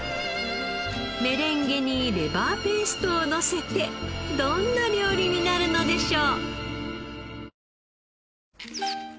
メレンゲにレバーペーストをのせてどんな料理になるのでしょう？